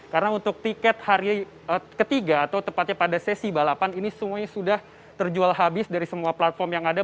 karena untuk tiket hari ketiga atau tepatnya pada sesi balapan ini semuanya sudah terjual habis dari semua platform yang ada